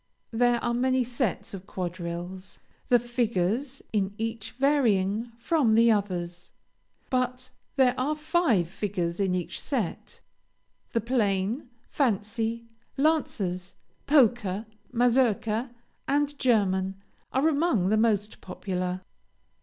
There are many sets of quadrilles, the figures in each varying from the others. But there are five figures in each set. The plain, fancy, Lancers, Polka, Mazourka, and German, are among the most popular.